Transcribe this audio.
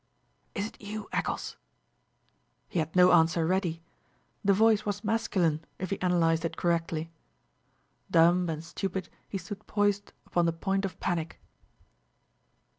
"Is it you, Eccles?" He had no answer ready. The voice was masculine, if he analyzed it correctly. Dumb and stupid he stood poised upon the point of panic.